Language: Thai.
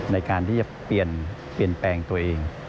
ในการที่จะเปลี่ยนแปลงตัวเอง